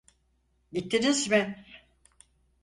Gittiniz mi?